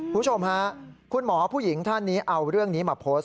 คุณผู้ชมฮะคุณหมอผู้หญิงท่านนี้เอาเรื่องนี้มาโพสต์